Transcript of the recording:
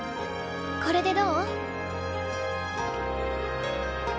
これでどう？